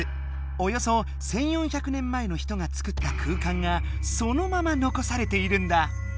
およそ１４００年前の人が作った空間がそのまま残されているんだ。